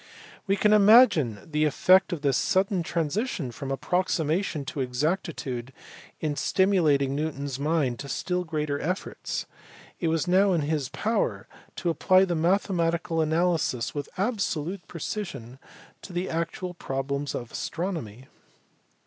We can imagine the effect of this sudden transition from approximation to exactitude in stimulating Newton s mind to still greater efforts. It was now in his power to apply mathematical analysis with absolute precision to the actual problems of astronomy."